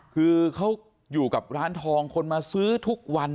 คือเขาอยู่กับร้านทองคนมาซื้อทุกวัน